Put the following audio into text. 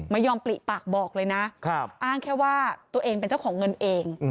ไม่ยอมปลิปากบอกเลยนะอ้างแค่ว่าตัวเองเป็นเจ้าของเงินเอง